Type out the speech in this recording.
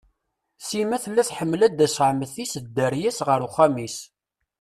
Sima tella tḥemmel ad tas ɛemti-s d dderya-s ɣer uxxam-is.